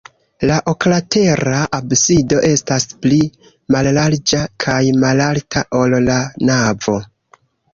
La oklatera absido estas pli mallarĝa kaj malalta, ol la navo.